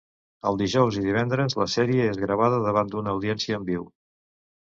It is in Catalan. Els dijous i divendres, la sèrie és gravada davant d'una audiència en viu.